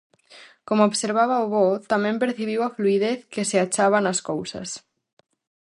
Como observaba o voo, tamén percibiu a fluidez que se achaba nas cousas.